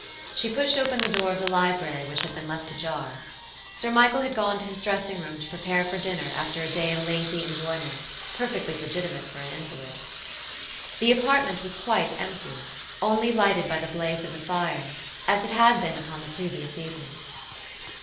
She pushed open the door of the library, which had been left ajar. Sir Michael had gone to his dressing room to prepare for dinner after a day of lazy enjoyment, perfectly legitimate for an invalid. The apartment was quite empty, only lighted by the blaze of the fire, as it had been upon the previous evening.